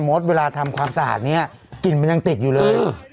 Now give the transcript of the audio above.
โมทเวลาทำความสาธิ์เนี้ยกลิ่นมันยังติดอยู่เลยอืม